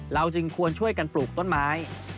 จึงควรช่วยกันปลูกต้นไม้